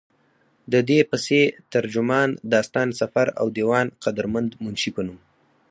ددې پسې، ترجمان، داستان سفر او ديوان قدرمند منشي پۀ نوم